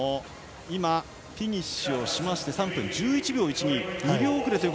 フィニッシュをしまして３分１１秒１２。